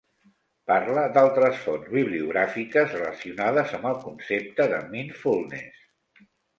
Parla d'altres fonts bibliogràfiques relacionades amb el concepte de Mindfulness.